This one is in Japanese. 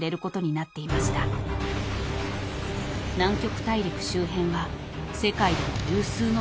［南極大陸周辺は世界でも有数の］